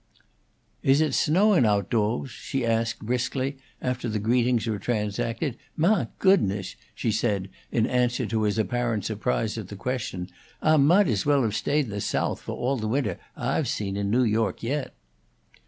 "Is it snowing outdo's?" she asked, briskly, after the greetings were transacted. "Mah goodness!" she said, in answer to his apparent surprise at the question. "Ah mahght as well have stayed in the Soath, for all the winter Ah have seen in New York yet."